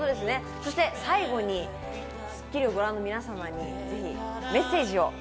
そして最後に『スッキリ』をご覧の皆様にメッセージを。